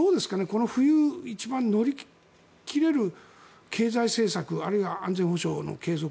この冬、乗り切れる経済政策あるいは安全保障の政策